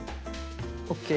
ＯＫ！